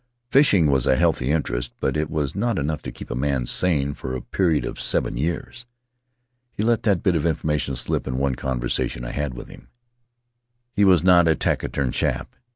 Fishing was a healthy interest, but it was not enough to keep a man sane for a period of seven years. He let that bit of information slip in one conversation I had with him. He was not a taciturn chap.